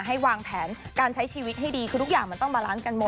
ให้วางแผนการใช้ชีวิตให้ดีคือทุกอย่างมันต้องมาร้านแตงโม